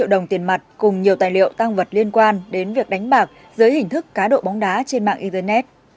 đồng tiền mặt cùng nhiều tài liệu tăng vật liên quan đến việc đánh bạc dưới hình thức cá độ bóng đá trên mạng internet